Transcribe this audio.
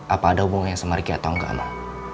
apa ada hubungannya sama riki atau enggak mau